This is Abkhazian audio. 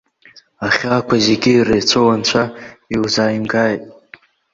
Ахьаақәа зегьы иреицәоу анцәа иузааимгааит.